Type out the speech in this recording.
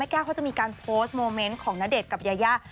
แก้วเขาจะมีการโพสต์โมเมนต์ของณเดชน์กับยายา